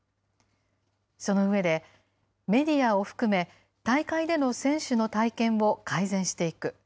その上で、メディアを含め、大会での選手の体験を改善していく。